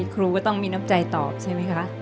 ครูก็ต้องมีน้ำใจตอบใช่ไหมคะ